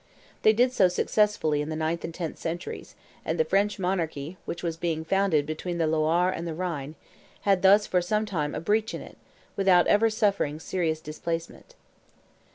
They did so successfully in the ninth and tenth centuries; and the French monarchy, which was being founded between the Loire and the Rhine, had thus for some time a breach in it, without ever suffering serious displacement.